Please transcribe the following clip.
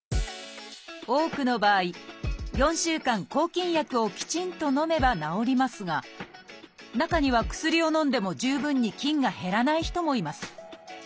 多くの場合４週間抗菌薬をきちんとのめば治りますが中には薬をのんでも十分に菌が減らない人もいます。